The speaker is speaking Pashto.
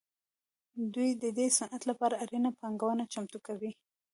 دوی د دې صنعت لپاره اړینه پانګونه چمتو کوي